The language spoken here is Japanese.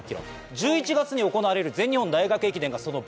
１１月に行われる全日本大学駅伝がその倍。